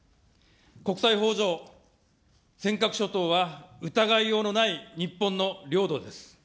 国際法上、尖閣諸島は疑いようのない日本の領土です。